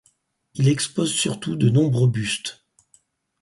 Il expose surtout de nombreux bustes.